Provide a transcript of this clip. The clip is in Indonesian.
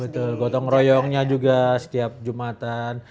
betul gotong royongnya juga setiap jumatan